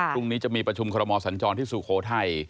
พรุ่งนี้จะมีประชุมคอรมอสัญจรที่สุโขทัย